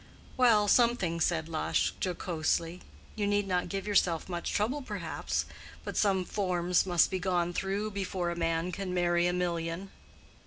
"Well, something," said Lush, jocosely. "You need not give yourself much trouble, perhaps. But some forms must be gone through before a man can marry a million."